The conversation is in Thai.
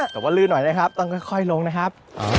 แต่ว่าลื่นหน่อยนะครับต้องค่อยลงนะครับ